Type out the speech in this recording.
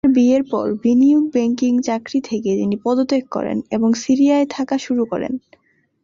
তার বিয়ের পর বিনিয়োগ ব্যাংকিং চাকরি থেকে তিনি পদত্যাগ করেন এবং সিরিয়ায় থাকা শুরু করেন।